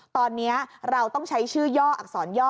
ตอนนี้เราต้องใช้ชื่อย่ออักษรย่อ